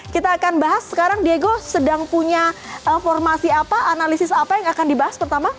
kita akan bahas sekarang diego sedang punya formasi apa analisis apa yang akan dibahas pertama